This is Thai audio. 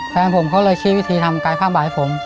แฟนผมเขาเลยชี้วิธีทำกายภาพบาดให้ผม